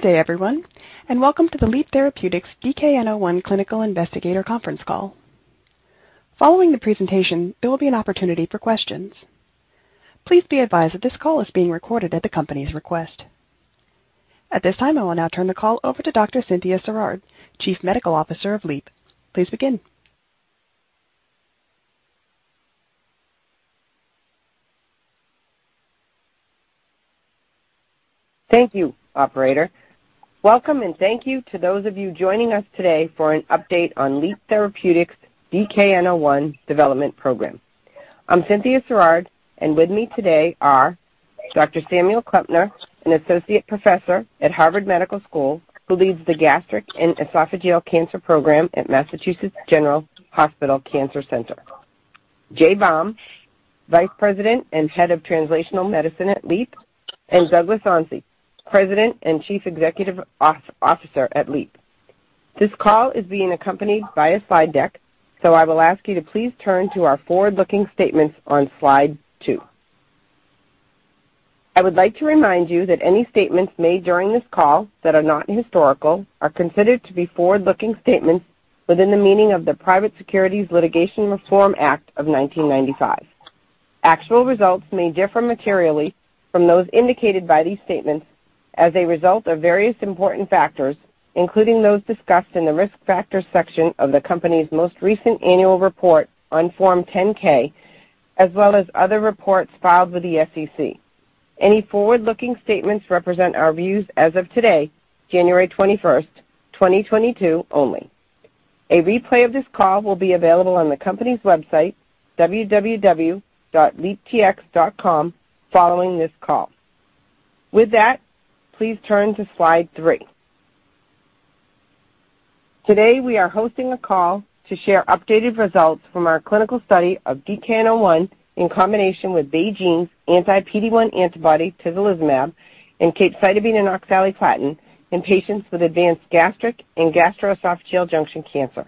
Good day, everyone, and welcome to the Leap Therapeutics DKN-01 clinical investigator conference call. Following the presentation, there will be an opportunity for questions. Please be advised that this call is being recorded at the company's request. At this time, I will now turn the call over to Dr. Cynthia Sirard, Chief Medical Officer of Leap. Please begin. Thank you, operator. Welcome, and thank you to those of you joining us today for an update on Leap Therapeutics' DKN-01 development program. I'm Cynthia Sirard, and with me today are Dr. Samuel Klempner, an associate professor at Harvard Medical School who leads the Gastric and Esophageal Cancer Program at Massachusetts General Hospital Cancer Center, Jason Baum, Vice President and Head of Translational Medicine at Leap, and Douglas Onsi, President and Chief Executive Officer at Leap. This call is being accompanied by a slide deck, so I will ask you to please turn to our forward-looking statements on slide two. I would like to remind you that any statements made during this call that are not historical are considered to be forward-looking statements within the meaning of the Private Securities Litigation Reform Act of 1995. Actual results may differ materially from those indicated by these statements as a result of various important factors, including those discussed in the Risk Factors section of the company's most recent annual report on Form 10-K, as well as other reports filed with the SEC. Any forward-looking statements represent our views as of today, January 21st, 2022 only. A replay of this call will be available on the company's website, www.leaptx.com, following this call. With that, please turn to slide three. Today, we are hosting a call to share updated results from our clinical study of DKN-01 in combination with BeiGene's anti-PD-1 antibody, tislelizumab, and capecitabine and oxaliplatin in patients with advanced gastric and gastroesophageal junction cancer.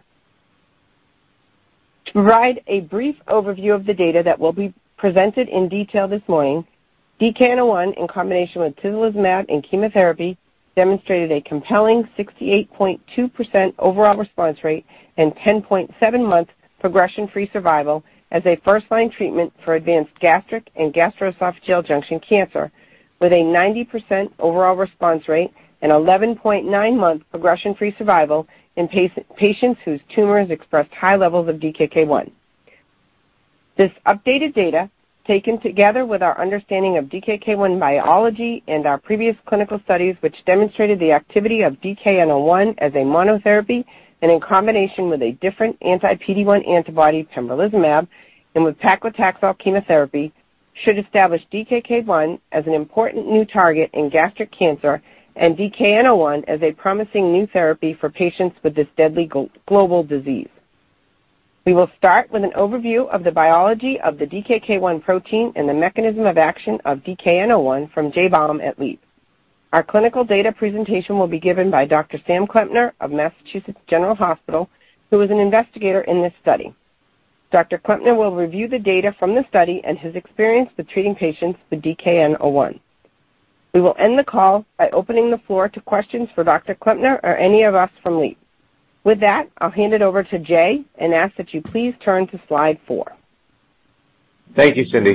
To provide a brief overview of the data that will be presented in detail this morning, DKN-01 in combination with tislelizumab and chemotherapy demonstrated a compelling 68.2% overall response rate and 10.7-month progression-free survival as a first-line treatment for advanced gastric and gastroesophageal junction cancer, with a 90% overall response rate and 11.9-month progression-free survival in patients whose tumors expressed high levels of DKK 1. This updated data, taken together with our understanding of DKK 1 biology and our previous clinical studies, which demonstrated the activity of DKN-01 as a monotherapy and in combination with a different anti-PD-1 antibody, pembrolizumab, and with paclitaxel chemotherapy, should establish DKK 1 as an important new target in gastric cancer and DKN-01 as a promising new therapy for patients with this deadly global disease. We will start with an overview of the biology of the DKK-1 protein and the mechanism of action of DKN-01 from Jay Baum at Leap. Our clinical data presentation will be given by Dr. Samuel Klempner of Massachusetts General Hospital, who is an investigator in this study. Dr. Klempner will review the data from the study and his experience with treating patients with DKN-01. We will end the call by opening the floor to questions for Dr. Klempner or any of us from Leap. With that, I'll hand it over to Jay and ask that you please turn to slide four. Thank you, Cindy.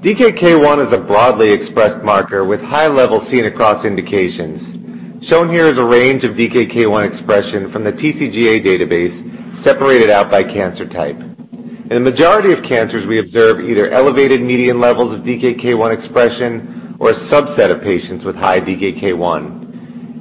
DKK 1 is a broadly expressed marker with high levels seen across indications. Shown here is a range of DKK 1 expression from the TCGA database separated out by cancer type. In the majority of cancers, we observe either elevated median levels of DKK 1 expression or a subset of patients with high DKK 1.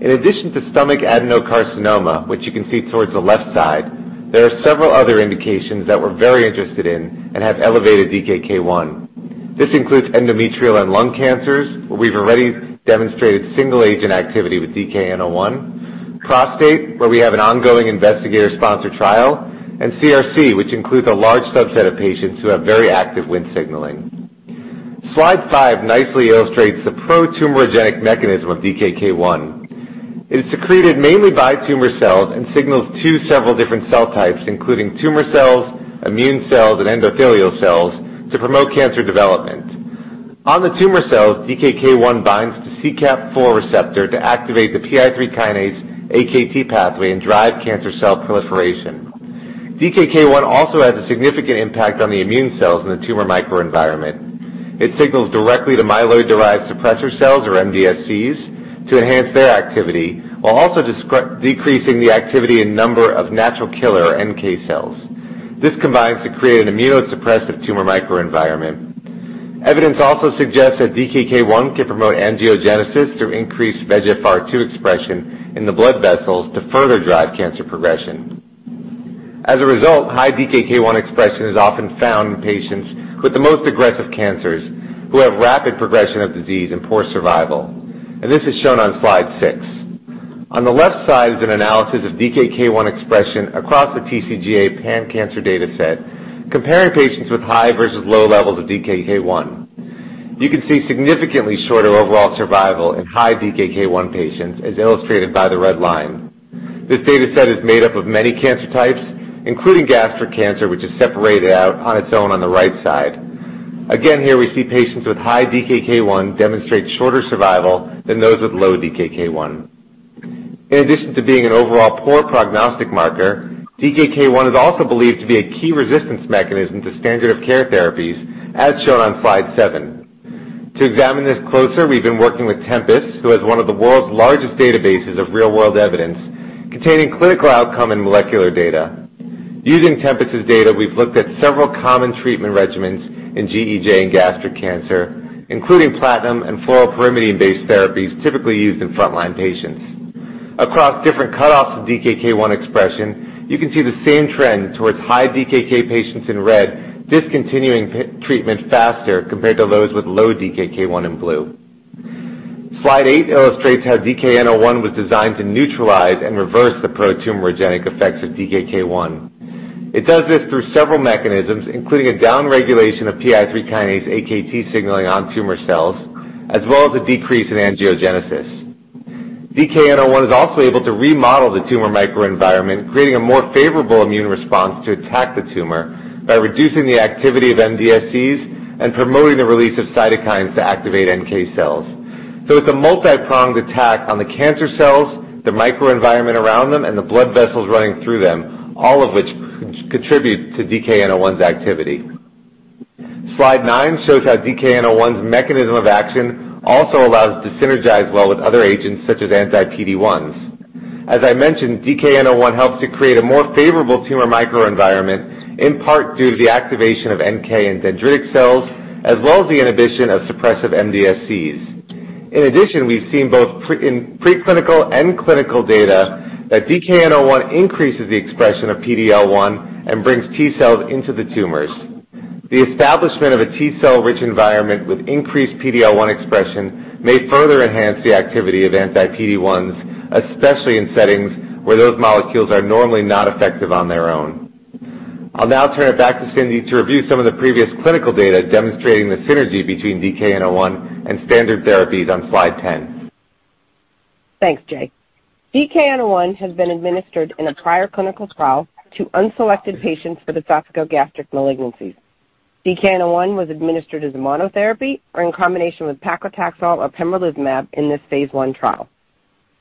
In addition to stomach adenocarcinoma, which you can see towards the left side, there are several other indications that we're very interested in and have elevated DKK 1. This includes endometrial and lung cancers, where we've already demonstrated single-agent activity with DKN-01, prostate, where we have an ongoing investigator-sponsored trial, and CRC, which includes a large subset of patients who have very active Wnt signaling. Slide five nicely illustrates the pro-tumorigenic mechanism of DKK 1. It is secreted mainly by tumor cells and signals to several different cell types, including tumor cells, immune cells, and endothelial cells, to promote cancer development. On the tumor cells, DKK-1 binds to CKAP4 receptor to activate the PI3K/AKT pathway and drive cancer cell proliferation. DKK-1 also has a significant impact on the immune cells in the tumor microenvironment. It signals directly to myeloid-derived suppressor cells, or MDSCs, to enhance their activity, while also decreasing the activity and number of natural killer, or NK, cells. This combines to create an immunosuppressive tumor microenvironment. Evidence also suggests that DKK-1 can promote angiogenesis through increased VEGFR2 expression in the blood vessels to further drive cancer progression. As a result, high DKK-1 expression is often found in patients with the most aggressive cancers who have rapid progression of disease and poor survival, and this is shown on slide six. On the left side is an analysis of DKK-1 expression across the TCGA pan-cancer dataset, comparing patients with high versus low levels of DKK-1. You can see significantly shorter overall survival in high DKK-1 patients, as illustrated by the red line. This data set is made up of many cancer types, including gastric cancer, which is separated out on its own on the right side. Again, here we see patients with high DKK-1 demonstrate shorter survival than those with low DKK-1. In addition to being an overall poor prognostic marker, DKK-1 is also believed to be a key resistance mechanism to standard of care therapies as shown on slide seven. To examine this closer, we've been working with Tempus, who has one of the world's largest databases of real-world evidence containing clinical outcome and molecular data. Using Tempus's data, we've looked at several common treatment regimens in GEJ and gastric cancer, including platinum and fluoropyrimidine-based therapies typically used in frontline patients. Across different cutoffs of DKK 1 expression, you can see the same trend towards high DKK1 patients in red, discontinuing treatment faster compared to those with low DKK 1 in blue. Slide eight illustrates how DKN-01 was designed to neutralize and reverse the pro-tumorigenic effects of DKK 1. It does this through several mechanisms, including a downregulation of PI3K/AKT signaling on tumor cells, as well as a decrease in angiogenesis. DKN-01 is also able to remodel the tumor microenvironment, creating a more favorable immune response to attack the tumor by reducing the activity of MDSCs and promoting the release of cytokines to activate NK cells. It's a multipronged attack on the cancer cells, the microenvironment around them, and the blood vessels running through them, all of which contribute to DKN-01's activity. Slide nine shows how DKN-01's mechanism of action also allows to synergize well with other agents such as anti-PD-1s. As I mentioned, DKN-01 helps to create a more favorable tumor microenvironment, in part due to the activation of NK and dendritic cells, as well as the inhibition of suppressive MDSCs. In addition, we've seen both in preclinical and clinical data that DKN-01 increases the expression of PD-L1 and brings T cells into the tumors. The establishment of a T cell-rich environment with increased PD-L1 expression may further enhance the activity of anti-PD-1s, especially in settings where those molecules are normally not effective on their own. I'll now turn it back to Cindy to review some of the previous clinical data demonstrating the synergy between DKN-01 and standard therapies on slide 10. Thanks, Jay. DKN-01 has been administered in a prior clinical trial to unselected patients for esophageal gastric malignancies. DKN-01 was administered as a monotherapy or in combination with paclitaxel or pembrolizumab in this phase I trial.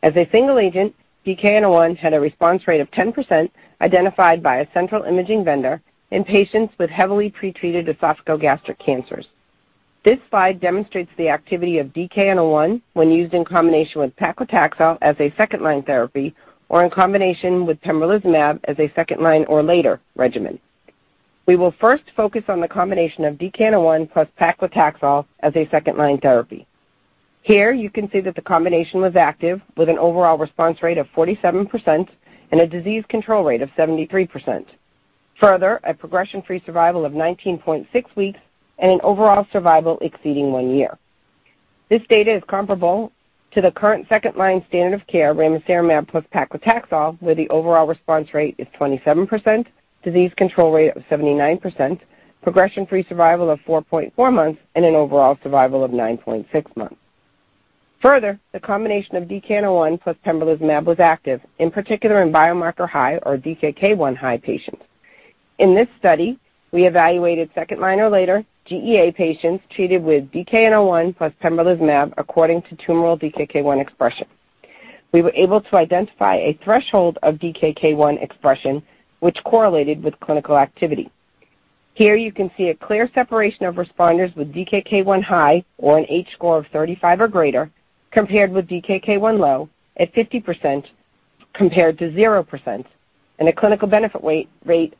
As a single agent, DKN-01 had a response rate of 10% identified by a central imaging vendor in patients with heavily pretreated esophageal gastric cancers. This slide demonstrates the activity of DKN-01 when used in combination with paclitaxel as a second-line therapy or in combination with pembrolizumab as a second-line or later regimen. We will first focus on the combination of DKN-01 plus paclitaxel as a second-line therapy. Here you can see that the combination was active with an overall response rate of 47% and a disease control rate of 73%. A progression-free survival of 19.6 weeks and an overall survival exceeding one year. This data is comparable to the current second-line standard of care ramucirumab plus paclitaxel, where the overall response rate is 27%, disease control rate of 79%, progression-free survival of 4.4 months, and an overall survival of 9.6 months. The combination of DKN-01 plus pembrolizumab was active, in particular in biomarker-high or DKK1-high patients. In this study, we evaluated second-line or later GEA patients treated with DKN-01 plus pembrolizumab according to tumoral DKK 1 expression. We were able to identify a threshold of DKK 1 expression which correlated with clinical activity. Here you can see a clear separation of responders with DKK-1 high or an H-score of 35 or greater compared with DKK-1 low at 50% compared to 0%, and a clinical benefit rate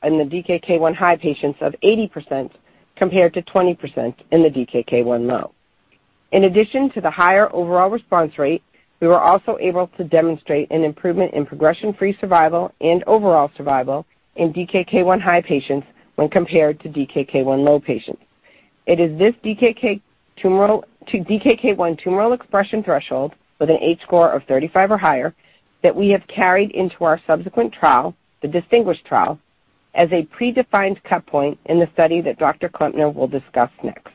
in the DKK-1 high patients of 80% compared to 20% in the DKK-1 low. In addition to the higher overall response rate, we were also able to demonstrate an improvement in progression-free survival and overall survival in DKK-1 high patients when compared to DKK-1 low patients. It is this DKK tumoral to DKK-1 tumoral expression threshold with an H-score of 35 or higher that we have carried into our subsequent trial, the DisTinGuish trial, as a predefined cut point in the study that Dr. Klempner will discuss next.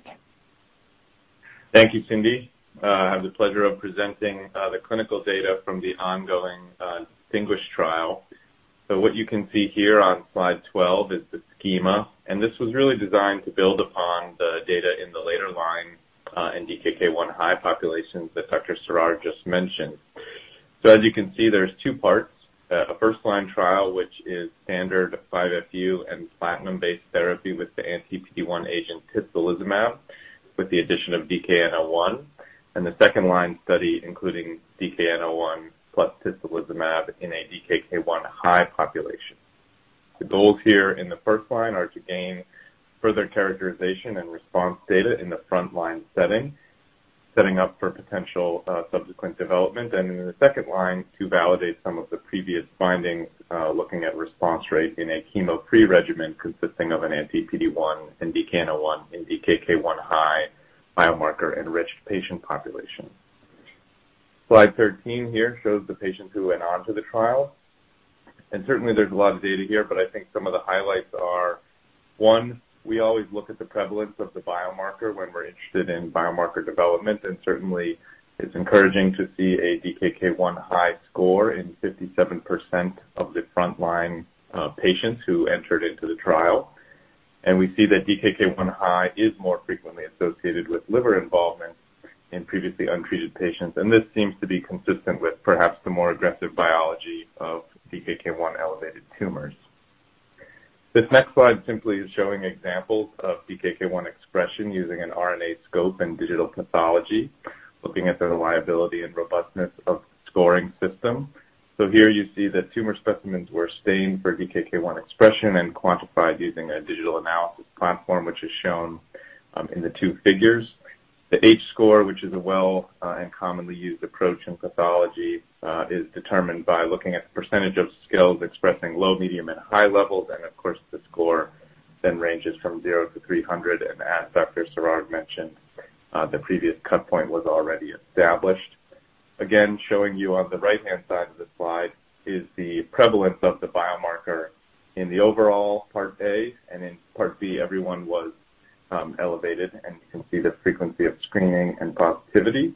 Thank you, Cynthia. I have the pleasure of presenting the clinical data from the ongoing DisTinGuish trial. What you can see here on slide 12 is the schema, and this was really designed to build upon the data in the later-line in DKK-1 high populations that Dr. Sirard just mentioned. As you can see, there's two parts. A first-line trial, which is standard 5-FU and platinum-based therapy with the anti-PD-1 agent tislelizumab with the addition of DKN-01, and the second-line study including DKN-01 plus tislelizumab in a DKK-1 high population. The goals here in the first line are to gain further characterization and response data in the front-line setting up for potential subsequent development and in the second line to validate some of the previous findings, looking at response rate in a chemo-free regimen consisting of an anti-PD-1 in DKN-01 in DKK-1 high biomarker-enriched patient population. Slide 13 here shows the patients who went on to the trial, and certainly, there's a lot of data here, but I think some of the highlights are One, we always look at the prevalence of the biomarker when we're interested in biomarker development. Certainly, it's encouraging to see a DKK-1 high score in 57% of the front-line patients who entered into the trial. We see that DKK-1 high is more frequently associated with liver involvement in previously untreated patients, and this seems to be consistent with perhaps the more aggressive biology of DKK-1 elevated tumors. This next slide simply is showing examples of DKK-1 expression using RNAscope and digital pathology, looking at the reliability and robustness of scoring system. Here you see that tumor specimens were stained for DKK-1 expression and quantified using a digital analysis platform, which is shown in the two figures. The H-score, which is a well, and commonly used approach in pathology, is determined by looking at the percentage of cells expressing low, medium, and high levels. Of course, the score then ranges from zero to 300. As Dr. Sirard mentioned, the previous cut point was already established. Again, showing you on the right-hand side of the slide is the prevalence of the biomarker in the overall Part A, and in Part B, everyone was elevated, and you can see the frequency of screening and positivity.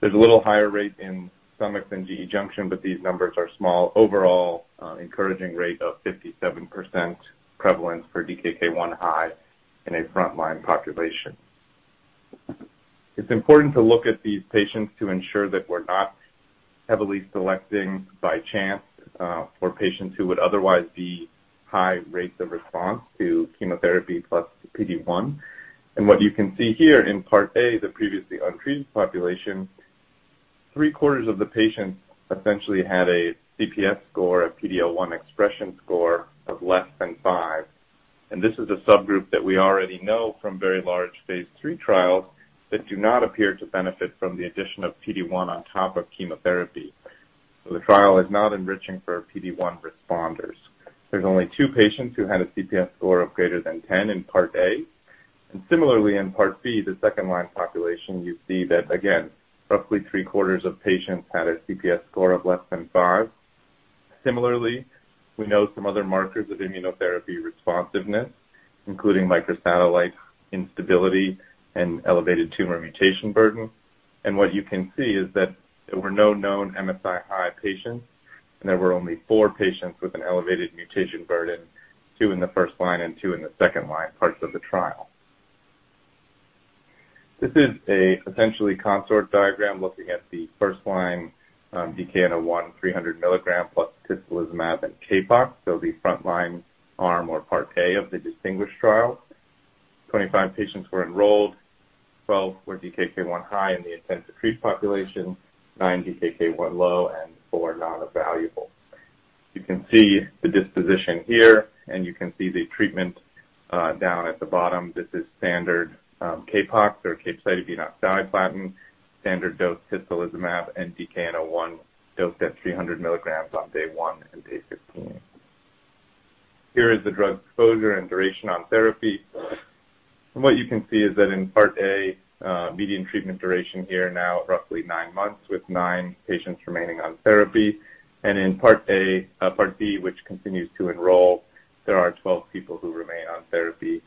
There's a little higher rate in stomach than GE junction, but these numbers are small. Overall, encouraging rate of 57% prevalence for DKK 1 high in a front-line population. It's important to look at these patients to ensure that we're not heavily selecting by chance for patients who would otherwise be high rates of response to chemotherapy plus PD-1. What you can see here in part A, the previously untreated population, three-quarters of the patients essentially had a CPS score, a PD-L1 expression score of less than five. This is a subgroup that we already know from very large phase III trials that do not appear to benefit from the addition of PD-1 on top of chemotherapy. The trial is not enriching for PD-1 responders. There's only two patients who had a CPS score of greater than 10 in part A. Similarly in part B, the second-line population, you see that again, roughly three-quarters of patients had a CPS score of less than five. Similarly, we know some other markers of immunotherapy responsiveness, including microsatellite instability and elevated tumor mutation burden. What you can see is that there were no known MSI-high patients, and there were only four patients with an elevated mutation burden, two in the first-line and two in the second-line parts of the trial. This is essentially a CONSORT diagram looking at the first-line DKN-01 300 mg plus tislelizumab and CAPOX. The front-line arm or part A of the DisTinGuish trial. 25 patients were enrolled. 12 were DKK 1 high in the ITT population, nine DKK 1 low, and four non-evaluable. You can see the disposition here, and you can see the treatment down at the bottom. This is standard, CAPOX or capecitabine oxaliplatin, standard dose tislelizumab and DKN-01 dosed at 300 mg on day one and day 15. Here is the drug exposure and duration on therapy. What you can see is that in part A, median treatment duration here now roughly nine months with nine patients remaining on therapy. In part B, which continues to enroll, there are 12 people who remain on therapy.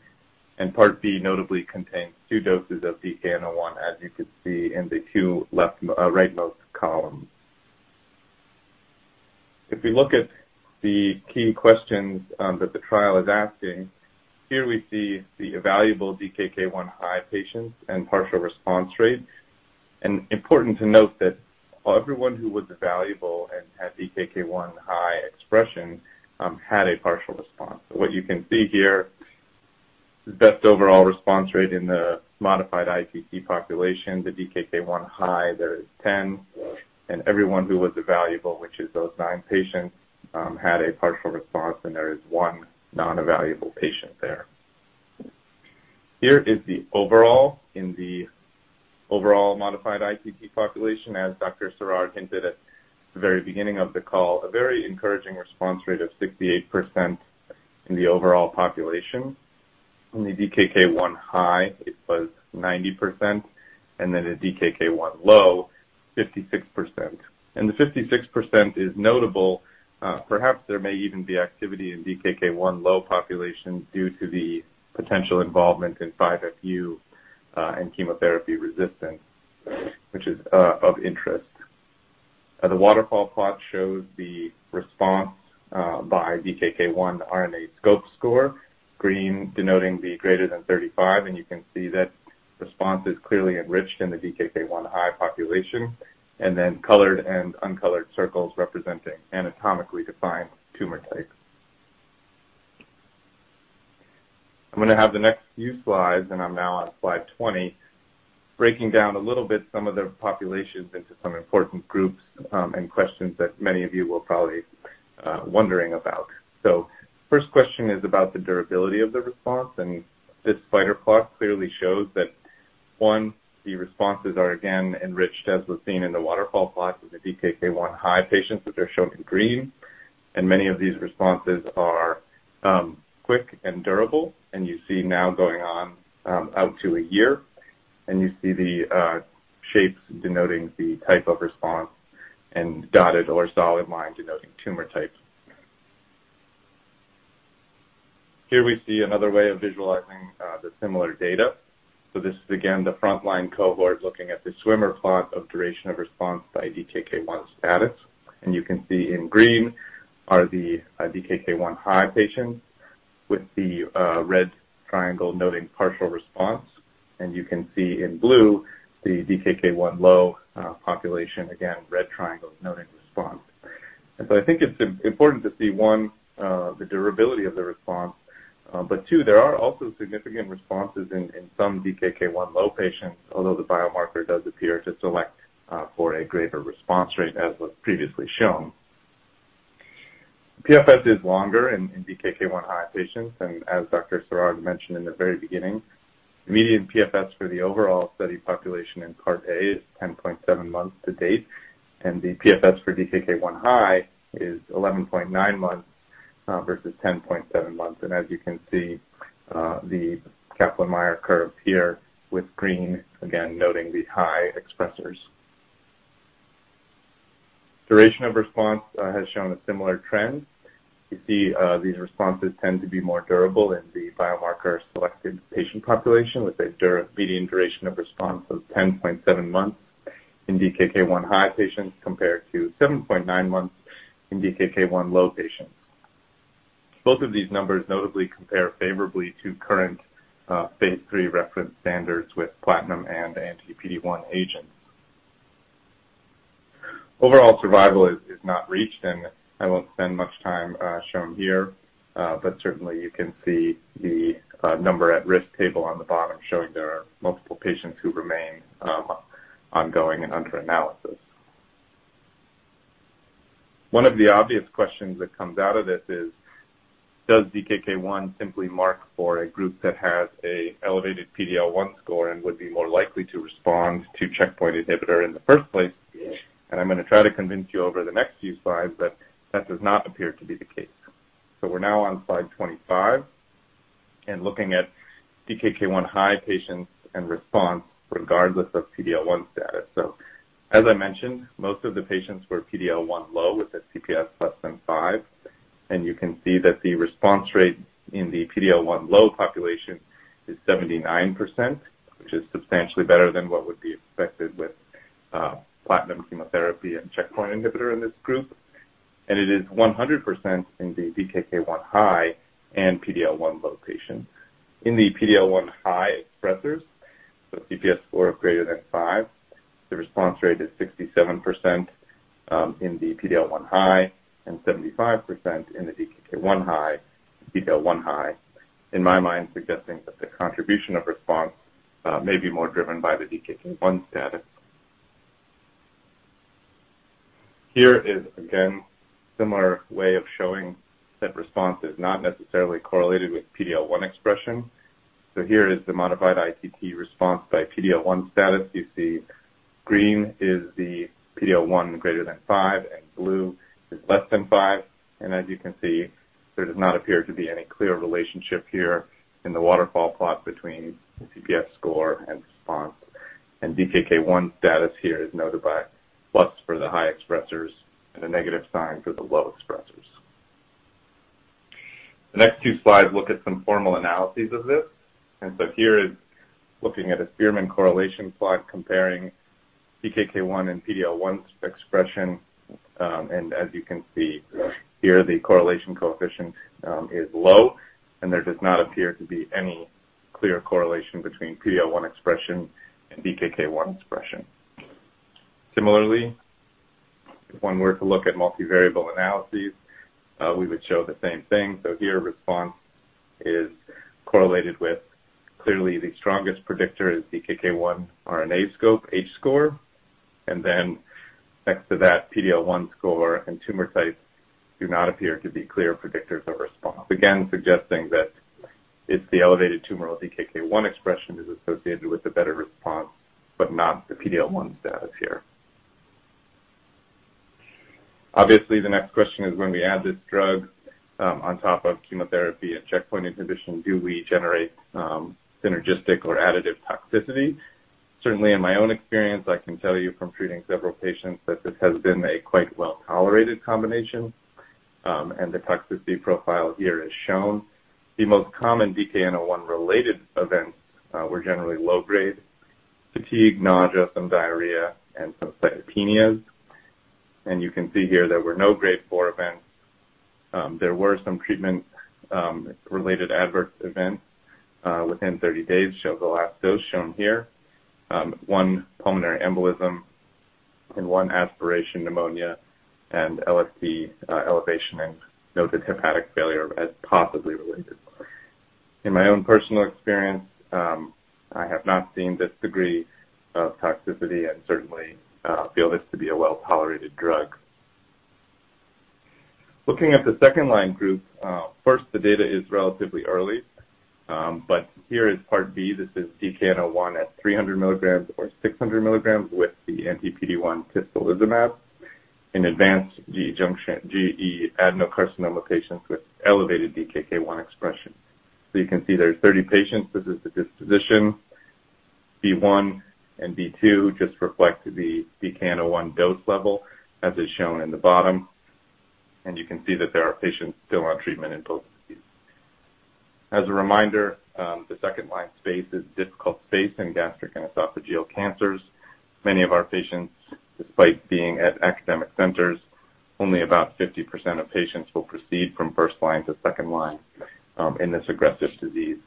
Part B notably contains two doses of DKN-01 as you could see in the two rightmost columns. If we look at the key questions, that the trial is asking, here we see the evaluable DKK 1 high patients and partial response rate. Important to note that everyone who was evaluable and had 1 high expression, had a partial response. What you can see here, the best overall response rate in the modified ITT population, the DKK-1 high, there is 10. Everyone who was evaluable, which is those nine patients, had a partial response, and there is one non-evaluable patient there. Here is the overall in the overall modified ITT population. As Dr. Sirard hinted at the very beginning of the call, a very encouraging response rate of 68% in the overall population. In the DKK-1 high, it was 90%. In DKK-1 low, 56%. The 56% is notable. Perhaps there may even be activity in DKK-1 low population due to the potential involvement in 5-FU and chemotherapy resistance, which is of interest. The waterfall plot shows the response by DKK-1 RNAscope score. Green denoting greater than 35, and you can see that response is clearly enriched in the DKK-1 high population. Then colored and uncolored circles representing anatomically defined tumor types. I'm gonna have the next few slides, and I'm now on slide 20, breaking down a little bit some of the populations into some important groups, and questions that many of you were probably wondering about. First question is about the durability of the response, and this spider plot clearly shows that one, the responses are again enriched, as was seen in the waterfall plot, in the DKK-1 high patients that they're shown in green. Many of these responses are quick and durable, and you see now going on out to a year. You see the shapes denoting the type of response and dotted or solid line denoting tumor types. Here we see another way of visualizing the similar data. This is again the frontline cohort looking at the swimmer plot of duration of response by DKK 1 status. You can see in green are the DKK 1 high patients with the red triangle noting partial response. You can see in blue the DKK 1 low population. Again, red triangle noting response. I think it's important to see, one, the durability of the response. Two, there are also significant responses in some DKK 1 low patients. Although the biomarker does appear to select for a greater response rate as was previously shown. PFS is longer in DKK 1 high patients and as Dr. Dr. Sirard mentioned in the very beginning, median PFS for the overall study population in part A is 10.7 months to date, and the PFS for DKK-1 high is 11.9 months versus 10.7 months. As you can see, the Kaplan-Meier curve here with green, again noting the high expressors. Duration of response has shown a similar trend. You see, these responses tend to be more durable in the biomarker selected patient population, with a median duration of response of 10.7 months in DKK-1 high patients compared to 7.9 months in DKK-1 low patients. Both of these numbers notably compare favorably to current phase III reference standards with platinum and anti-PD-1 agents. Overall survival is not reached, and I won't spend much time shown here. Certainly you can see the number at risk table on the bottom showing there are multiple patients who remain ongoing and under analysis. One of the obvious questions that comes out of this is, does 1 simply mark for a group that has an elevated PD-L1 score and would be more likely to respond to checkpoint inhibitor in the first place? I'm going to try to convince you over the next few slides that that does not appear to be the case. We're now on slide 25 and looking at DKK 1 high patients and response regardless of PD-L1 status. As I mentioned, most of the patients were PD-L1 low with a CPS less than five, and you can see that the response rate in the PD-L1 low population is 79%. Which is substantially better than what would be expected with platinum chemotherapy and checkpoint inhibitor in this group. It is 100% in the DKK-1 high and PD-L1 low patients. In the PD-L1 high expressors, so CPS score of greater than five, the response rate is 67% in the PD-L1 high and 75% in the DKK-1 high, PD-L1 high. In my mind suggesting that the contribution of response may be more driven by the DKK-1 status. Here is again, similar way of showing that response is not necessarily correlated with PD-L1 expression. Here is the modified ITT response by PD-L1 status. You see green is the PD-L1 greater than five, and blue is less than five. As you can see, there does not appear to be any clear relationship here in the waterfall plot between the CPS score and response. DKK-1 status here is noted by plus for the high expressors and a negative sign for the low expressors. The next two slides look at some formal analyses of this. Here is looking at a Spearman correlation plot comparing DKK-1 and PD-L1 expression. As you can see here, the correlation coefficient is low, and there does not appear to be any clear correlation between PD-L1 expression and DKK-1 expression. Similarly, if one were to look at multivariable analyses, we would show the same thing. Here response is correlated with—clearly the strongest predictor is DKK-1 RNAscope H-score, and then next to that PD-L1 score and tumor types do not appear to be clear predictors of response. Again, suggesting that it's the elevated tumor or DKK-1 expression is associated with a better response, but not the PD-L1 status here. Obviously, the next question is when we add this drug on top of chemotherapy and checkpoint inhibition, do we generate synergistic or additive toxicity? Certainly in my own experience, I can tell you from treating several patients that this has been a quite well-tolerated combination. The toxicity profile here is shown. The most common DKN-01 related events were generally low-grade fatigue, nausea, some diarrhea, and some cytopenias. You can see here there were no grade 4 events. There were some treatment related adverse events within 30 days of the last dose shown here. One pulmonary embolism and one aspiration pneumonia and LFT elevation and noted hepatic failure as possibly related. In my own personal experience, I have not seen this degree of toxicity and certainly feel this to be a well-tolerated drug. Looking at the second line group, first the data is relatively early, but here is part B. This is DKN-01 at 300 mg or 600 mg with the anti-PD-1 tislelizumab in advanced GE junction, GE adenocarcinoma patients with elevated DKK 1 expression. So you can see there's 30 patients. This is the disposition. B1 and B2 just reflect the DKN-01 dose level as is shown in the bottom. You can see that there are patients still on treatment in both disease. As a reminder, the second-line space is difficult space in gastric and esophageal cancers. Many of our patients, despite being at academic centers, only about 50% of patients will proceed from first line to second line, in this aggressive disease.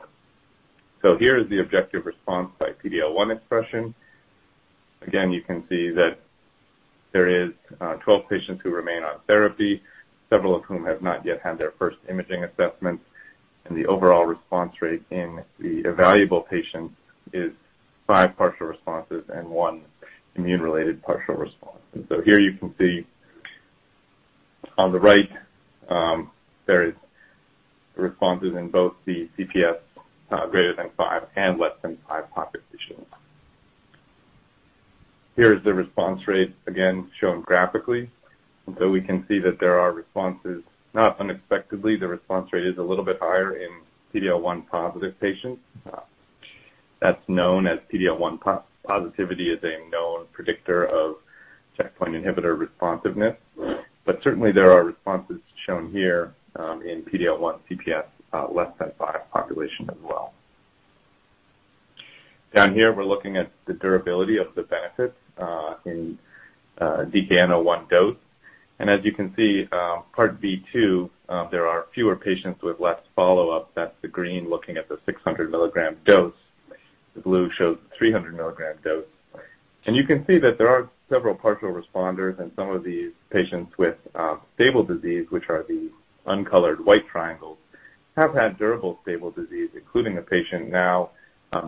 Here is the objective response by PD-L1 expression. Again, you can see that there is 12 patients who remain on therapy, several of whom have not yet had their first imaging assessment. The overall response rate in the evaluable patients is five partial responses and one immune-related partial response. Here you can see on the right, there is responses in both the CPS greater than five and less than five populations. Here is the response rate again shown graphically. We can see that there are responses. Not unexpectedly, the response rate is a little bit higher in PD-L1-positive patients. That's known, as PD-L1 positivity is a known predictor of checkpoint inhibitor responsiveness. Certainly, there are responses shown here, in PD-L1 CPS less than five population as well. Down here, we're looking at the durability of the benefit in DKN-01 dose. As you can see, part B2, there are fewer patients with less follow-up. That's the green looking at the 600 mg dose. The blue shows the 300 mg dose. You can see that there are several partial responders and some of these patients with stable disease, which are the uncolored white triangles, have had durable stable disease, including a patient now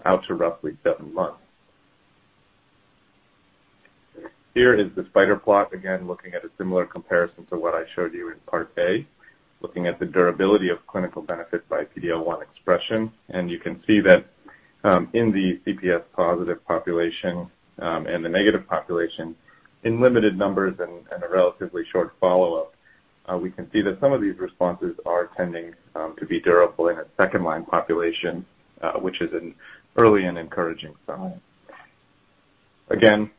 out to roughly seven months. Here is the spider plot, again looking at a similar comparison to what I showed you in part A, looking at the durability of clinical benefit by PD-L1 expression. You can see that, in the CPS positive population, and the negative population, in limited numbers and a relatively short follow-up, we can see that some of these responses are tending to be durable in a second-line population, which is an early and encouraging sign. Again,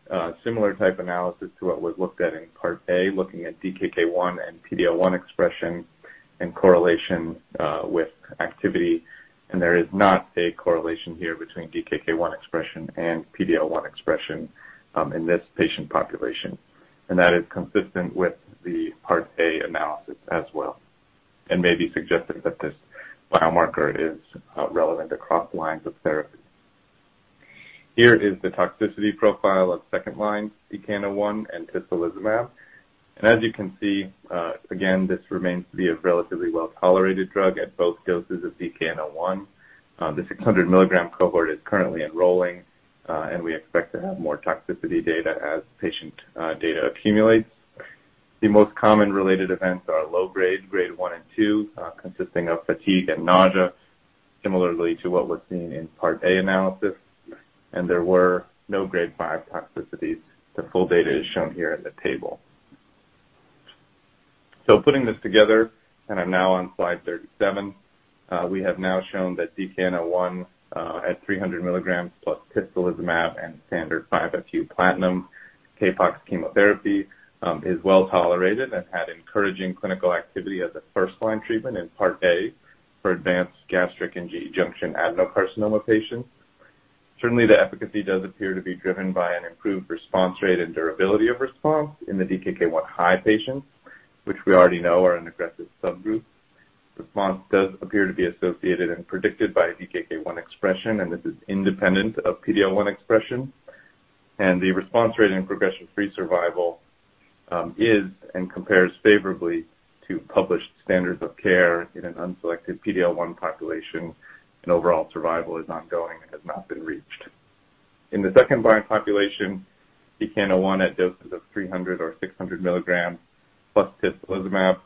similar type analysis to what was looked at in part A, looking at DKN-01 and PD-L1 expression and correlation with activity. There is not a correlation here between DKN-01 expression and PD-L1 expression in this patient population. That is consistent with the part A analysis as well, and maybe suggesting that this biomarker is relevant across lines of therapy. Here is the toxicity profile of second-line DKN-01 and tislelizumab. As you can see, again, this remains to be a relatively well-tolerated drug at both doses of DKN-01. The 600 mg cohort is currently enrolling, and we expect to have more toxicity data as patient data accumulates. The most common related events are low grade 1 and 2, consisting of fatigue and nausea, similarly to what was seen in part A analysis. There were no grade five toxicities. The full data is shown here in the table. Putting this together, I'm now on slide 37. We have now shown that DKN-01 at 300 mg plus tislelizumab and standard 5-FU platinum CAPOX chemotherapy is well-tolerated and had encouraging clinical activity as a first-line treatment in part A for advanced gastric and GEJ adenocarcinoma patients. Certainly, the efficacy does appear to be driven by an improved response rate and durability of response in the DKK1-high patients, which we already know are an aggressive subgroup. Response does appear to be associated and predicted by DKK 1 expression, and this is independent of PD-L1 expression. The response rate and progression-free survival compares favorably to published standards of care in an unselected PD-L1 population, and overall survival is ongoing and has not been reached. In the second-line population, DKN-01 at doses of 300 mg or 600 mg plus tislelizumab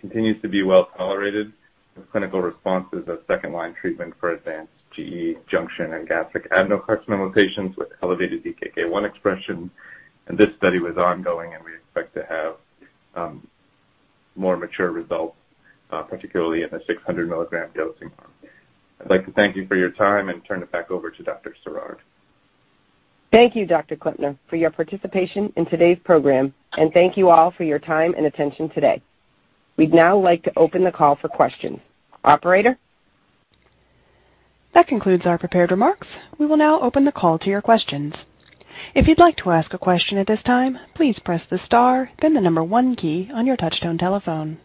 continues to be well-tolerated with clinical responses as second-line treatment for advanced GE junction and gastric adenocarcinoma patients with elevated DKK 1 expression. This study was ongoing, and we expect to have more mature results, particularly in the 600 mg dosing arm. I'd like to thank you for your time and turn it back over to Dr. Sirard. Thank you, Dr. Klempner, for your participation in today's program, and thank you all for your time and attention today. We'd now like to open the call for questions. Operator? That concludes our prepared remarks. We will now open the call to your questions. If you'd like to ask a question at this time, please press the star, then the number one key on your touchtone telephone.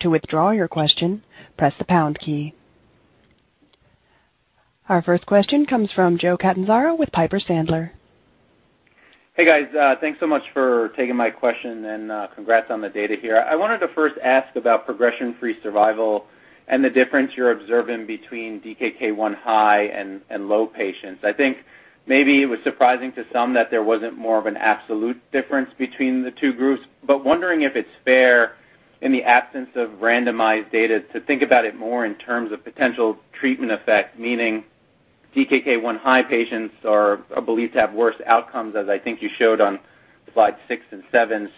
To withdraw your question, press the pound key. Our first question comes from Joe Catanzaro with Piper Sandler. Hey, guys. Thanks so much for taking my question and, congrats on the data here. I wanted to first ask about progression-free survival and the difference you're observing between DKK 1 high and low patients. I think maybe it was surprising to some that there wasn't more of an absolute difference between the two groups, but wondering if it's fair in the absence of randomized data to think about it more in terms of potential treatment effect, meaning DKK 1 high patients are believed to have worse outcomes, as I think you showed on slide six and seven.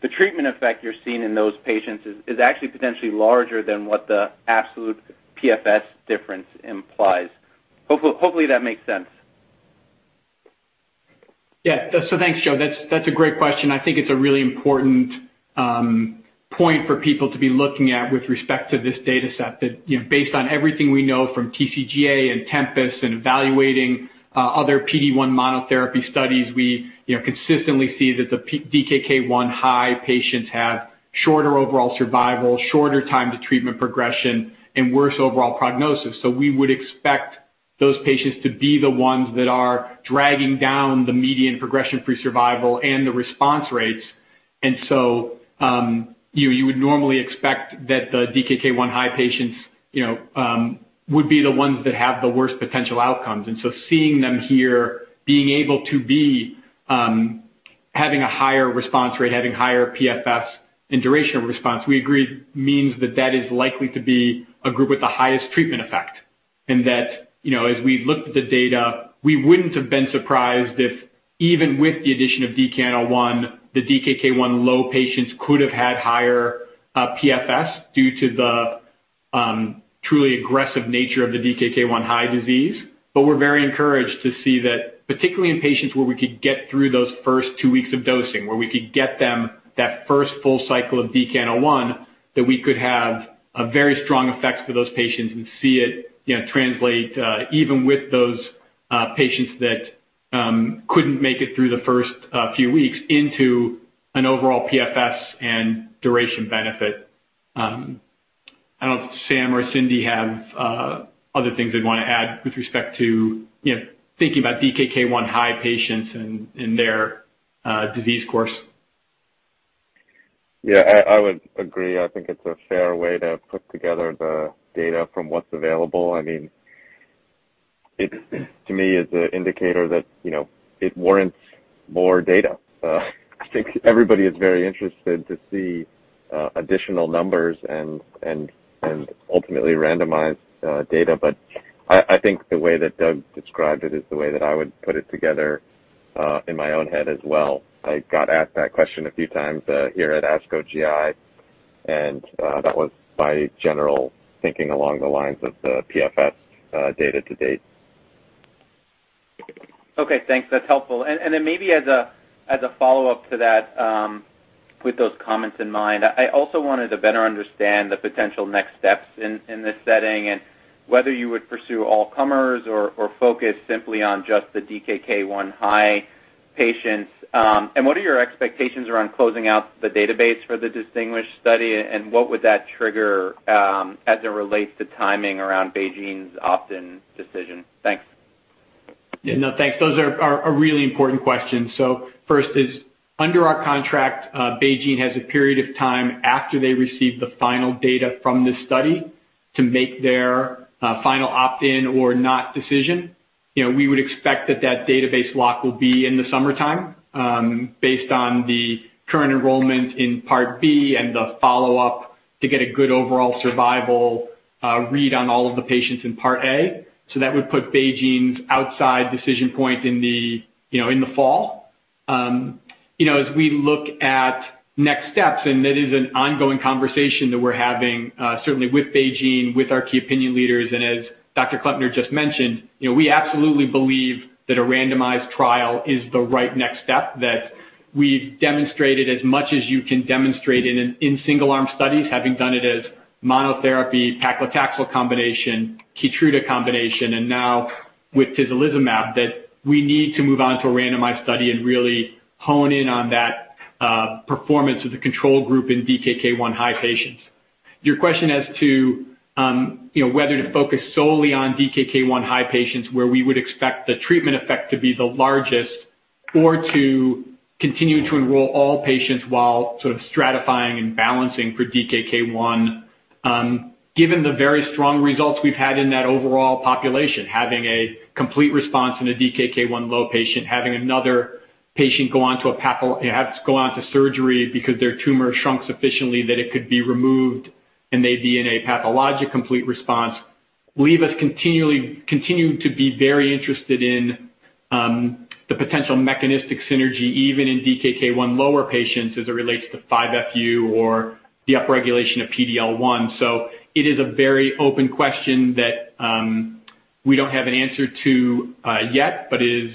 The treatment effect you're seeing in those patients is actually potentially larger than what the absolute PFS difference implies. Hopefully that makes sense. Yeah. Thanks, Joe. That's a great question. I think it's a really important point for people to be looking at with respect to this data set, you know, based on everything we know from TCGA and Tempus and evaluating other PD-1 monotherapy studies, you know, consistently see that the DKK 1 high patients have shorter overall survival, shorter time to treatment progression, and worse overall prognosis. We would expect those patients to be the ones that are dragging down the median progression-free survival and the response rates. You would normally expect that the DKK 1 high patients, you know, would be the ones that have the worst potential outcomes. Seeing them here being able to be having a higher response rate, having higher PFS and duration of response, we agree means that that is likely to be a group with the highest treatment effect. That, you know, as we looked at the data, we wouldn't have been surprised if, even with the addition of DKN-01, the DKK 1 low patients could have had higher PFS due to the truly aggressive nature of the DKK 1 high disease. We're very encouraged to see that particularly in patients where we could get through those first two weeks of dosing, where we could get them that first full cycle of DKN-01, that we could have a very strong effect for those patients and see it, you know, translate even with those patients that couldn't make it through the first few weeks into an overall PFS and duration benefit. I don't know if Sam or Cindy have other things they'd wanna add with respect to, you know, thinking about DKK 1 high patients and their disease course. Yeah, I would agree. I think it's a fair way to put together the data from what's available. I mean, it to me is an indicator that, you know, it warrants more data. I think everybody is very interested to see additional numbers and ultimately randomized data. But I think the way that Doug described it is the way that I would put it together in my own head as well. I got asked that question a few times here at ASCO GI, and that was my general thinking along the lines of the PFS data to date. Okay, thanks. That's helpful. Then maybe as a follow-up to that, with those comments in mind, I also wanted to better understand the potential next steps in this setting and whether you would pursue all comers or focus simply on just the DKK1-high patients. What are your expectations around closing out the database for the DisTinGuish study, and what would that trigger, as it relates to timing around BeiGene's opt-in decision? Thanks. Yeah. No, thanks. Those are a really important question. First is under our contract, BeiGene has a period of time after they receive the final data from this study to make their final opt-in or not decision. You know, we would expect that database lock will be in the summertime, based on the current enrollment in part B and the follow-up to get a good overall survival read on all of the patients in part A. That would put BeiGene's opt-in decision point in the you know in the fall. You know, as we look at next steps, and that is an ongoing conversation that we're having, certainly with BeiGene, with our key opinion leaders, and as Dr. Klempner just mentioned, you know, we absolutely believe that a randomized trial is the right next step, that we've demonstrated as much as you can demonstrate in single arm studies, having done it as monotherapy paclitaxel combination, KEYTRUDA combination, and now with tislelizumab, that we need to move on to a randomized study and really hone in on that performance of the control group in DKK 1 high patients. Your question as to, you know, whether to focus solely on DKK 1 high patients, where we would expect the treatment effect to be the largest or to continue to enroll all patients while sort of stratifying and balancing for DKK 1. Given the very strong results we've had in that overall population, having a complete response in a DKK 1 low patient, having another patient go on to surgery because their tumor shrunk sufficiently that it could be removed and they be in a pathologic complete response, continuing to be very interested in the potential mechanistic synergy, even in DKK 1 lower patients as it relates to 5-FU or the upregulation of PD-L1. It is a very open question that we don't have an answer to yet, but is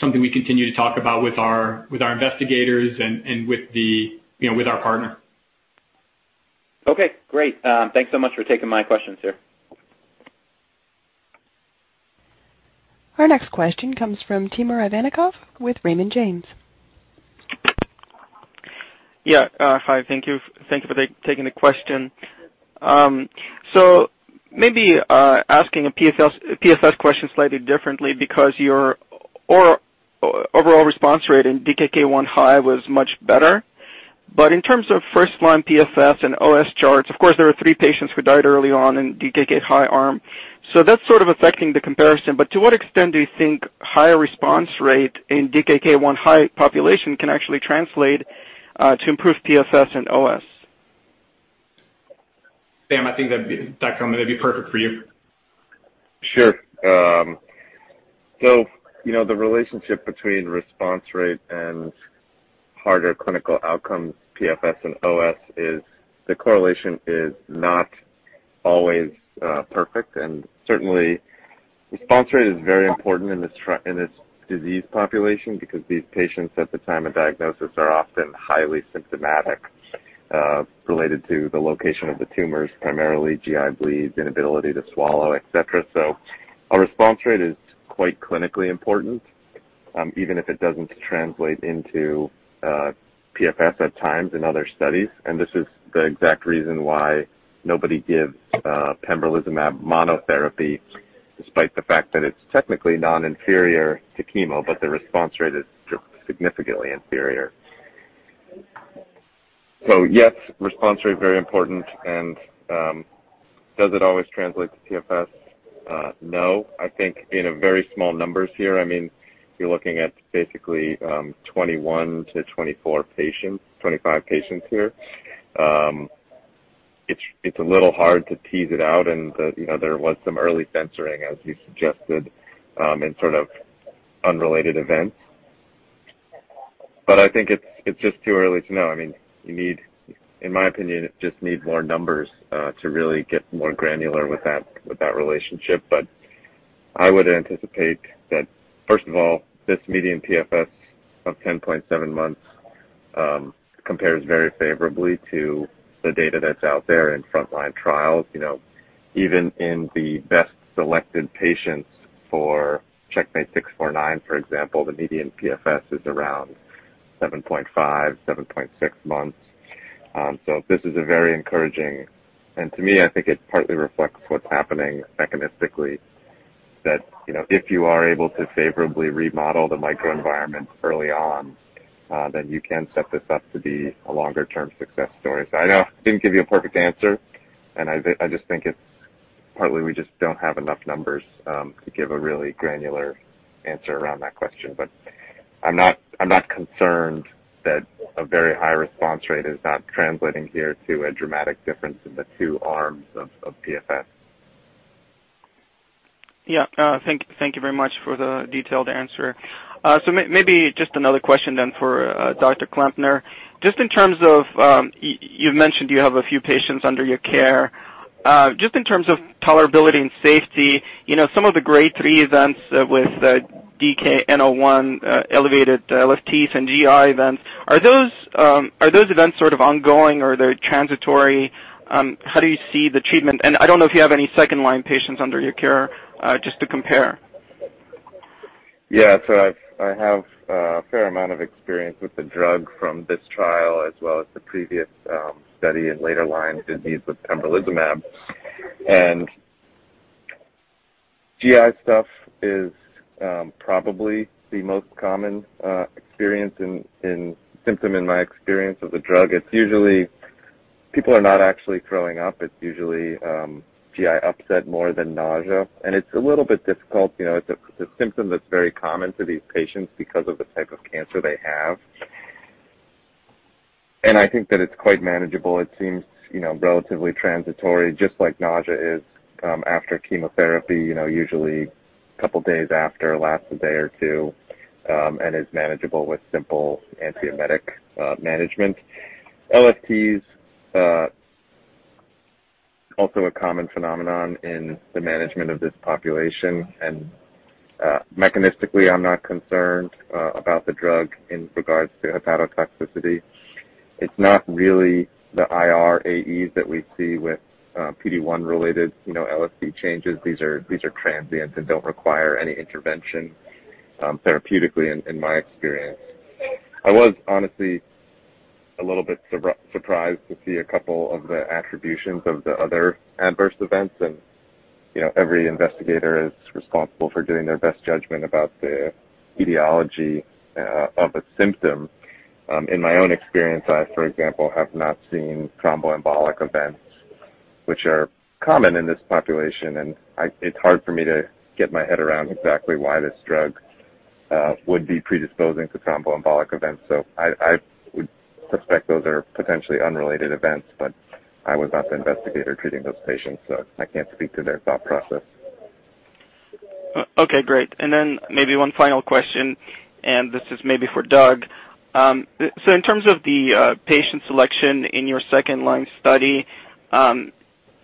something we continue to talk about with our investigators and you know, with our partner. Okay, great. Thanks so much for taking my questions here. Our next question comes from Timur Ivannikov with Raymond James. Thank you for taking the question. Maybe asking a PFS question slightly differently because your overall response rate in DKK 1 high was much better. In terms of first-line PFS and OS charts, of course, there are three patients who died early on in DKK1 high arm. That's sort of affecting the comparison, but to what extent do you think higher response rate in DKK 1 high population can actually translate to improve PFS and OS? Sam, I think that comment'd be perfect for you. Sure. You know, the relationship between response rate and harder clinical outcomes, PFS and OS, the correlation is not always perfect. Certainly, response rate is very important in this disease population because these patients at the time of diagnosis are often highly symptomatic related to the location of the tumors, primarily GI bleeds, inability to swallow, et cetera. A response rate is quite clinically important even if it doesn't translate into PFS at times in other studies. This is the exact reason why nobody gives pembrolizumab monotherapy despite the fact that it's technically non-inferior to chemo, but the response rate is significantly inferior. Yes, response rate very important. Does it always translate to PFS? No. I think in very small numbers here. I mean, you're looking at basically 21-24 patients, 25 patients here. It's a little hard to tease it out and, you know, there was some early censoring, as you suggested, in sort of unrelated events. I think it's just too early to know. I mean, you need, in my opinion, you just need more numbers to really get more granular with that, with that relationship. I would anticipate that, first of all, this median PFS of 10.7 months compares very favorably to the data that's out there in frontline trials. You know, even in the best selected patients for CheckMate 649, for example, the median PFS is around 7.5, 7.6 months. This is a very encouraging, and to me I think it partly reflects what's happening mechanistically that, you know, if you are able to favorably remodel the microenvironment early on, then you can set this up to be a longer term success story. I know I didn't give you a perfect answer and I just think it's partly we just don't have enough numbers to give a really granular answer around that question. But I'm not concerned that a very high response rate is not translating here to a dramatic difference in the two arms of PFS. Yeah. Thank you very much for the detailed answer. Maybe just another question then for Dr. Klempner. Just in terms of, you've mentioned you have a few patients under your care. Just in terms of tolerability and safety, you know, some of the grade three events with the DKN-01, elevated LFTs and GI events, are those events sort of ongoing or they're transitory? How do you see the treatment? I don't know if you have any second-line patients under your care, just to compare. I have a fair amount of experience with the drug from this trial as well as the previous study in later line disease with pembrolizumab. GI stuff is probably the most common experience in symptom in my experience of the drug. It's usually people are not actually throwing up. It's usually GI upset more than nausea. It's a little bit difficult, you know, it's a symptom that's very common to these patients because of the type of cancer they have. I think that it's quite manageable. It seems, you know, relatively transitory, just like nausea is after chemotherapy, you know, usually a couple days after, lasts a day or two, and is manageable with simple antiemetic management. LFTs also a common phenomenon in the management of this population. Mechanistically, I'm not concerned about the drug in regards to hepatotoxicity. It's not really the irAEs that we see with PD-1 related, you know, LFT changes. These are transient and don't require any intervention therapeutically in my experience. I was honestly a little bit surprised to see a couple of the attributions of the other adverse events. You know, every investigator is responsible for doing their best judgment about the etiology of a symptom. In my own experience, for example, I have not seen thromboembolic events which are common in this population. It's hard for me to get my head around exactly why this drug would be predisposing to thromboembolic events. I would suspect those are potentially unrelated events, but I was not the investigator treating those patients, so I can't speak to their thought process. Okay, great. Maybe one final question, and this is maybe for Doug. In terms of the patient selection in your second line study,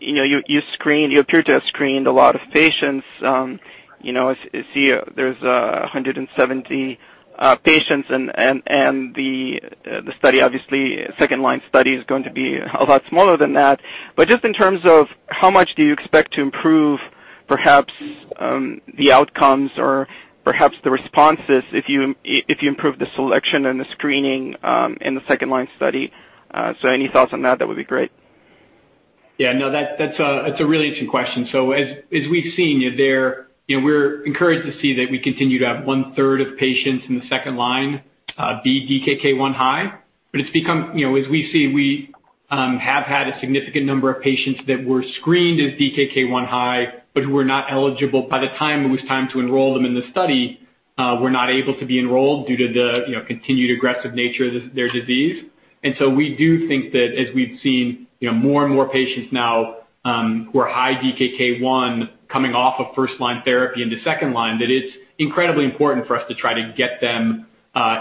you know, you appear to have screened a lot of patients. I see there's 170 patients and the study, obviously second line study is going to be a lot smaller than that. But just in terms of how much do you expect to improve perhaps the outcomes or perhaps the responses if you improve the selection and the screening in the second line study? Any thoughts on that would be great. No, that's a really interesting question. As we've seen there, you know, we're encouraged to see that we continue to have one-third of patients in the second-line be DKK-1 high. But it's become, you know, as we've seen, we have had a significant number of patients that were screened as DKK-1 high, but who were not eligible by the time it was time to enroll them in the study, were not able to be enrolled due to the continued aggressive nature of their disease. We do think that as we've seen, you know, more and more patients now, who are high DKK 1 coming off of first-line therapy into second line, that it's incredibly important for us to try to get them,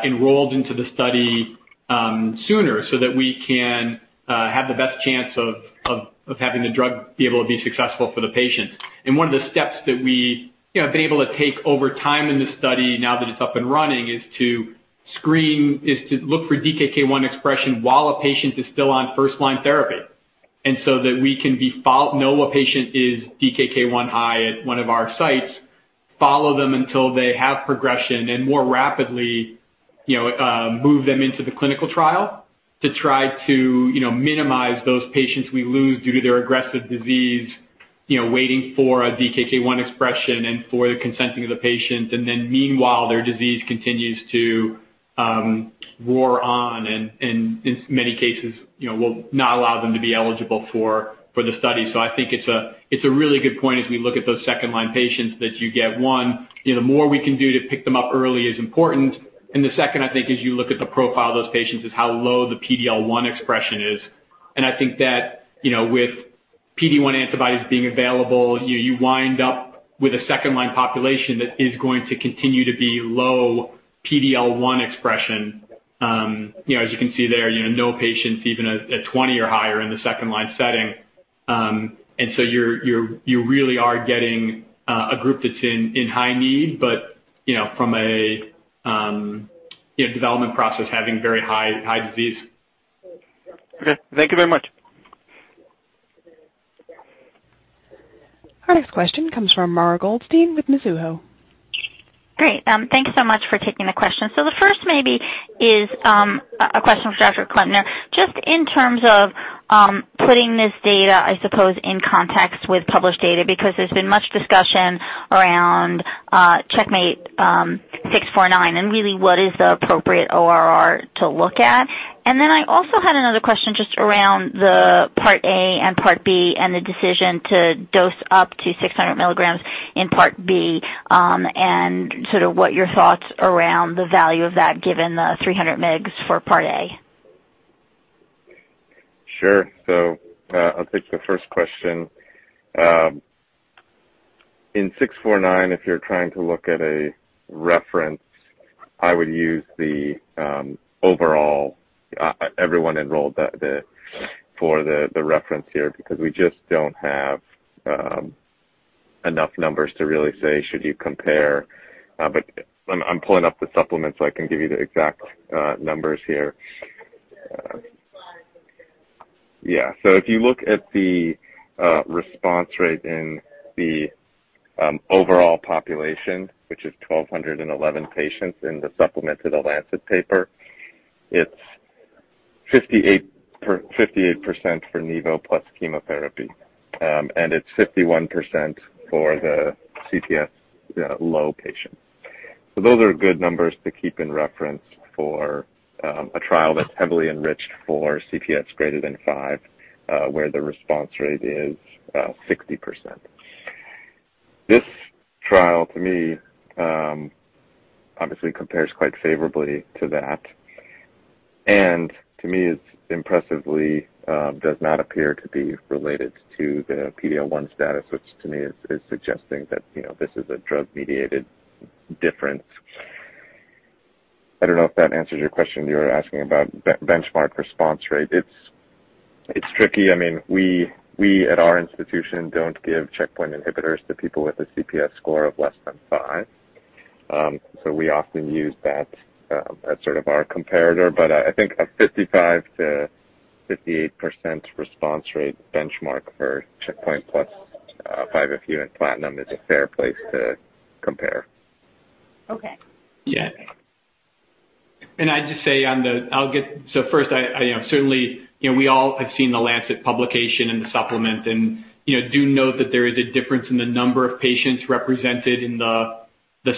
enrolled into the study, sooner so that we can, have the best chance of having the drug be able to be successful for the patients. One of the steps that we, you know, have been able to take over time in this study now that it's up and running, is to look for DKK 1 expression while a patient is still on first-line therapy. That we can know a patient is DKK-1 high at one of our sites, follow them until they have progression, and more rapidly, you know, move them into the clinical trial to try to, you know, minimize those patients we lose due to their aggressive disease, you know, waiting for a DKK-1 expression and for the consenting of the patient. Meanwhile, their disease continues to roar on and in many cases, you know, will not allow them to be eligible for the study. I think it's a really good point as we look at those second-line patients the one you know more we can do to pick them up early is important. The second, I think, as you look at the profile of those patients, is how low the PD-L1 expression is. I think that, you know, with PD-1 antibodies being available, you wind up with a second-line population that is going to continue to be low PD-L1 expression. You know, as you can see there, you know, no patients even at 20 or higher in the second-line setting. You're really getting a group that's in high need, but you know, from a development process having very high disease. Okay. Thank you very much. Our next question comes from Mara Goldstein with Mizuho. Great. Thanks so much for taking the question. The first maybe is a question for Dr. Klempner, just in terms of putting this data, I suppose, in context with published data, because there's been much discussion around CheckMate 649 and really what is the appropriate ORR to look at. Then I also had another question just around the part A and part B, and the decision to dose up to 600 mg in part B, and sort of what your thoughts around the value of that given the 300 mg for part A. Sure. I'll take the first question. In 649, if you're trying to look at a reference, I would use the overall everyone enrolled for the reference here, because we just don't have enough numbers to really say should you compare. I'm pulling up the supplement so I can give you the exact numbers here. Yeah. If you look at the response rate in the overall population, which is 1,211 patients in the supplement to The Lancet paper, it's 58% for nivo plus chemotherapy, and it's 51% for the CPS low patient. Those are good numbers to keep in reference for a trial that's heavily enriched for CPS greater than five, where the response rate is 60%. This trial, to me, obviously compares quite favorably to that. To me, it impressively does not appear to be related to the PD-L1 status, which to me is suggesting that, you know, this is a drug-mediated difference. I don't know if that answers your question. You were asking about benchmark response rate. It's tricky. I mean, we at our institution, don't give checkpoint inhibitors to people with a CPS score of less than five. So we often use that as sort of our comparator. I think a 55%-58% response rate benchmark for checkpoint plus 5-FU and platinum is a fair place to compare. Okay. I'd just say first, you know, certainly, you know, we all have seen The Lancet publication and the supplement and, you know, do note that there is a difference in the number of patients represented in the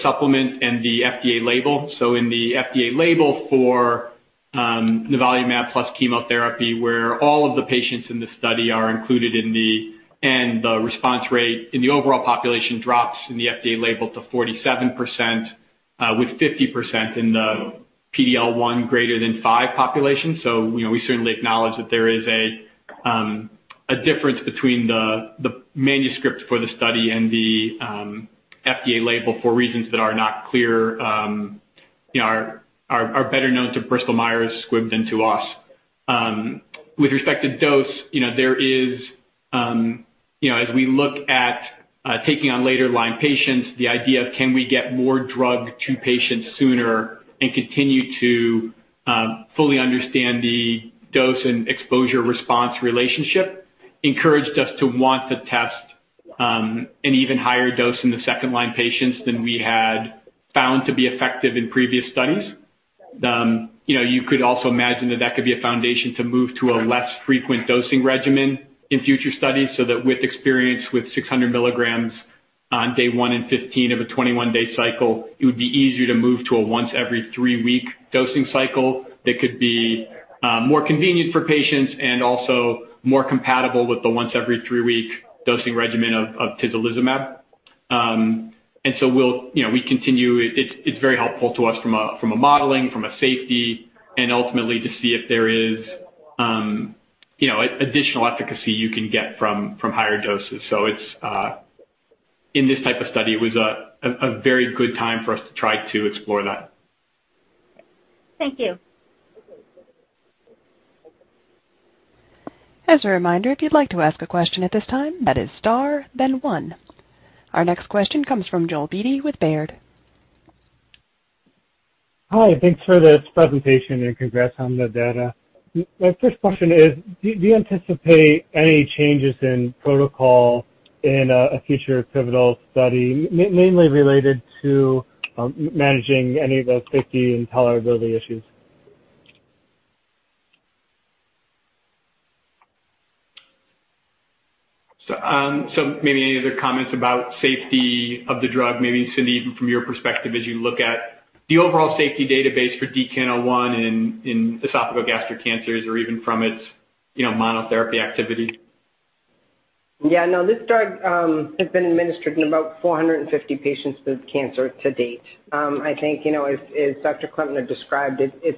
supplement and the FDA label. In the FDA label for nivolumab plus chemotherapy, where all of the patients in this study are included, the response rate in the overall population drops to 47%, with 50% in the PD-L1 greater than five population. We certainly acknowledge that there is a difference between the manuscript for the study and the FDA label for reasons that are not clear, you know, are better known to Bristol-Myers Squibb than to us. With respect to dose, you know, there is, you know, as we look at taking on later line patients, the idea of can we get more drug to patients sooner and continue to fully understand the dose and exposure-response relationship, encouraged us to want to test an even higher dose in the second line patients than we had found to be effective in previous studies. You know, you could also imagine that that could be a foundation to move to a less frequent dosing regimen in future studies, so that with experience with 600 mg on day one and 15 of a 21-day cycle, it would be easier to move to a once every three-week dosing cycle that could be more convenient for patients and also more compatible with the once every three-week dosing regimen of tislelizumab. We'll, you know, we continue. It's very helpful to us from a modeling, from a safety, and ultimately to see if there is additional efficacy you can get from higher doses. It's in this type of study, it was a very good time for us to try to explore that. Thank you. As a reminder, if you'd like to ask a question at this time, that is star then one. Our next question comes from Joel Beatty with Baird. Hi. Thanks for this presentation and congrats on the data. My first question is, do you anticipate any changes in protocol in a future pivotal study, mainly related to managing any of those safety and tolerability issues? Maybe any other comments about safety of the drug, maybe Cindy, from your perspective as you look at the overall safety database for DKN-01 in esophageal gastric cancers or even from its, you know, monotherapy activity. Yeah, no, this drug has been administered in about 450 patients with cancer to date. I think, you know, as Dr. Klempner described it's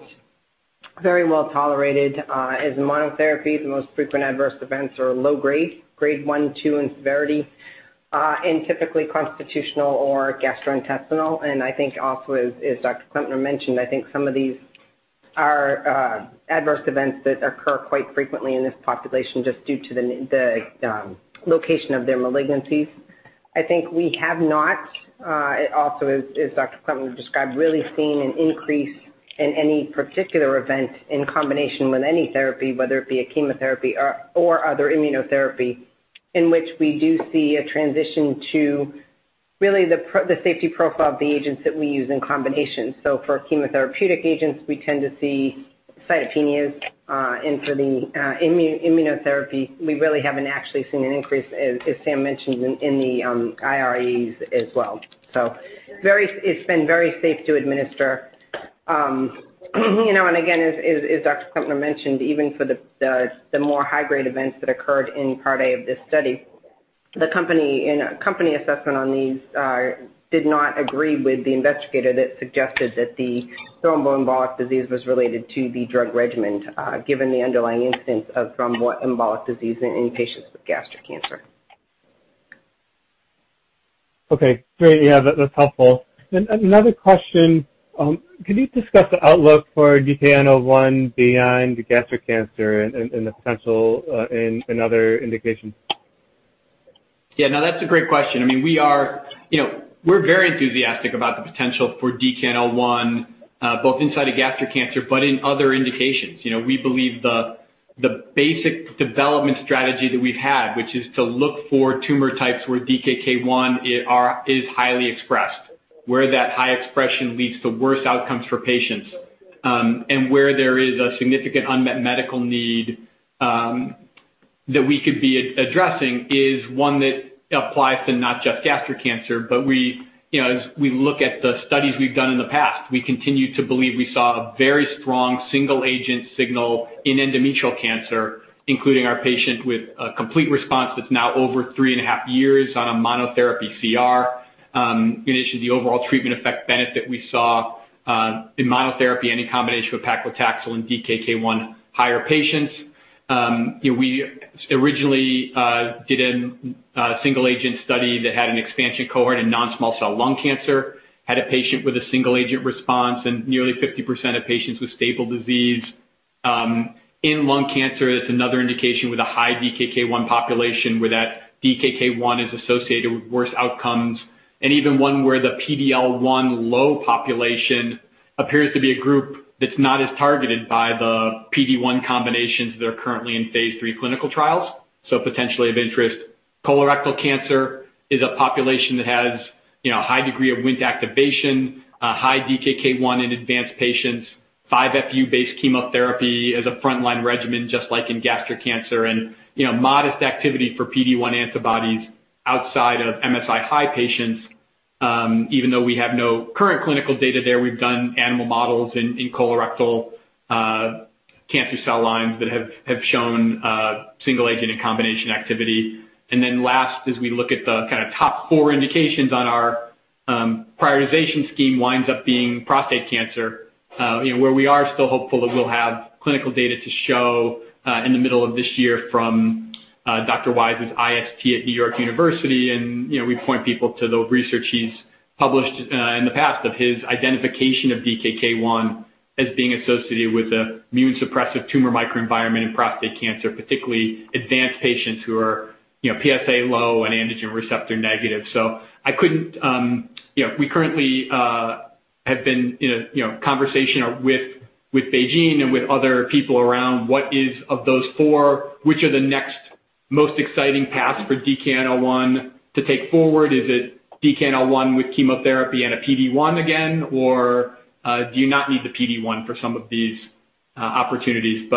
very well tolerated as monotherapy. The most frequent adverse events are low grade 1, 2 in severity and typically constitutional or gastrointestinal. I think also as Dr. Klempner mentioned, I think some of these are adverse events that occur quite frequently in this population just due to the location of their malignancies. I think we have not also, as Dr. Klempner described, really seen an increase in any particular event in combination with any therapy, whether it be a chemotherapy or other immunotherapy, in which we do see a transition to really the safety profile of the agents that we use in combination. For chemotherapeutic agents, we tend to see cytopenias, and for the immunotherapy, we really haven't actually seen an increase, as Sam mentioned in the irAEs as well. It's been very safe to administer. You know, and again, as Dr. Klempner mentioned, even for the more high-grade events that occurred in Part A of this study, the company, in a company assessment on these, did not agree with the investigator that suggested that the thromboembolic disease was related to the drug regimen, given the underlying incidence of thromboembolic disease in patients with gastric cancer. Okay, great. Yeah, that's helpful. Another question, can you discuss the outlook for DKN-01 beyond gastric cancer and the potential in other indications? Yeah. No, that's a great question. I mean, we are, you know, we're very enthusiastic about the potential for DKN-01 both inside of gastric cancer, but in other indications. You know, we believe the basic development strategy that we've had, which is to look for tumor types where DKK 1 is highly expressed, where that high expression leads to worse outcomes for patients, and where there is a significant unmet medical need that we could be addressing is one that applies to not just gastric cancer. We, you know, as we look at the studies we've done in the past, we continue to believe we saw a very strong single agent signal in endometrial cancer, including our patient with a complete response that's now over three and a half years on a monotherapy CR. Initially, the overall treatment effect benefit we saw in monotherapy and in combination with paclitaxel and DKN-01, high DKK1 patients. You know, we originally did a single agent study that had an expansion cohort in non-small cell lung cancer, had a patient with a single agent response, and nearly 50% of patients with stable disease. In lung cancer, that's another indication with a high DKK 1 population where that DKK 1 is associated with worse outcomes, and even one where the PD-L1 low population appears to be a group that's not as targeted by the PD-1 combinations that are currently in phase III clinical trials, so potentially of interest. Colorectal cancer is a population that has, you know, a high degree of Wnt activation, a high DKK 1 in advanced patients, 5-FU-based chemotherapy as a frontline regimen, just like in gastric cancer, and, you know, modest activity for PD-1 antibodies outside of MSI-high patients. Even though we have no current clinical data there, we've done animal models in colorectal cancer cell lines that have shown single agent and combination activity. As we look at the kind of top four indications on our prioritization scheme, it winds up being prostate cancer, you know, where we are still hopeful that we'll have clinical data to show in the middle of this year from Dr. Wise's IST at New York University. You know, we point people to the research he's published in the past of his identification of DKK-1 as being associated with an immunosuppressive tumor microenvironment in prostate cancer, particularly advanced patients who are, you know, PSA low and androgen receptor negative. You know, we currently have been in a conversation with BeiGene and with other people around what is of those four, which are the next most exciting paths for DKN-01 to take forward. Is it DKN-01 with chemotherapy and a PD-1 again, or do you not need the PD-1 for some of these opportunities?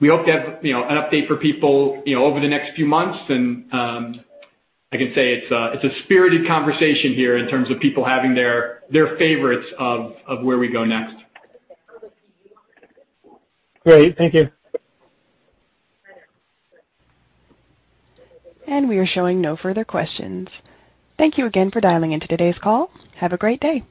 We hope to have, you know, an update for people, you know, over the next few months. I can say it's a spirited conversation here in terms of people having their favorites of where we go next. Great. Thank you. We are showing no further questions. Thank you again for dialing into today's call. Have a great day.